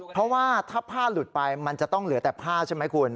เพราะว่าถ้าผ้าหลุดไปมันจะต้องเหลือแต่ผ้าใช่ไหมคุณ